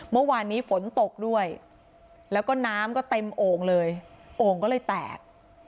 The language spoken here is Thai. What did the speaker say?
เมื่อวานนี้ฝนตกด้วยแล้วก็น้ำก็เต็มโอ่งเลยโอ่งก็เลยแตก